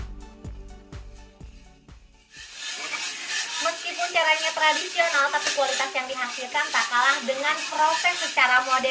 meskipun caranya tradisional tapi kualitas yang dihasilkan tak kalah dengan proses secara modern